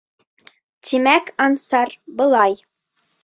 Тимәк, Ансар, былай.